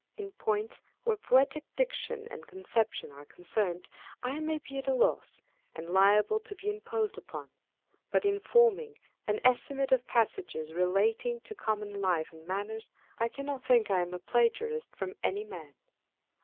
In points where poetrc diction and conception are concerned, I may be at a loss, and liable to be imposed upon : but in forming an estimate of passages relating to common life and manners, I cannot think I am a plagiarist from any man.